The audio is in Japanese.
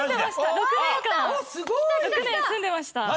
６年住んでました。